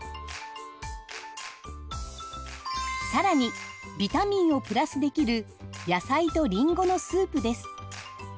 更にビタミンをプラスできる野菜とりんごのスープです。